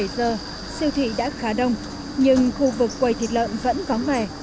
một mươi bảy giờ siêu thị đã khá đông nhưng khu vực quầy thịt lợn vẫn góng về